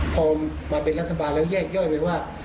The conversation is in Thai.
พอมาเป็นรัฐบาลแล้วแยกย่อยไปว่า